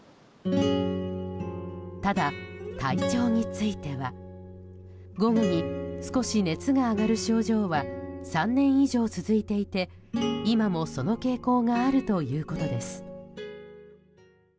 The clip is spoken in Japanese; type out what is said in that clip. ただ、体調については午後に少し熱が上がる症状は３年以上続いていて今もその傾向があるということです。